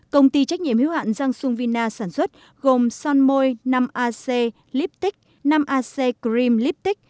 công ty trách nhiệm hiếu hạn giang sung vina sản xuất gồm son môi năm ac lipstick năm ac cream lipstick